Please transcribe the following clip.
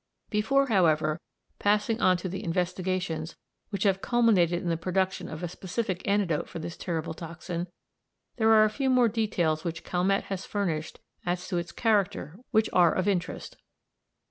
Before, however, passing on to the investigations which have culminated in the production of a specific antidote for this terrible toxin, there are a few more details which Calmette has furnished as to its character which are of interest.